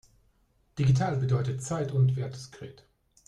Digital bedeutet zeit- und wertdiskret.